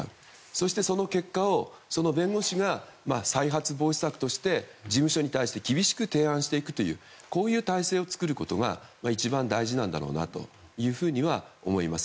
そして、その結果をその弁護士が再発防止策として事務所に対して厳しく提案していくというこういう体制を作ることが一番大事なんだろうと思います。